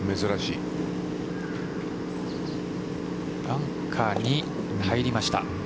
バンカーに入りました。